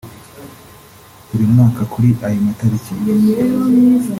Buri mwaka kuri ayo matariki